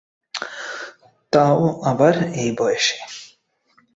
তাও আবার এই বয়সে।